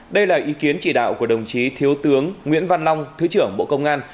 đây là ý kiến chỉ đạo của đồng chí thiếu tướng nguyễn văn long thứ trưởng bộ công an